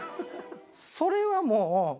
それはもう。